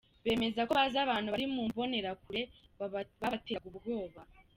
Bemeza ko bazi abantu bari mu mbonerakure, babateraga ubwoba.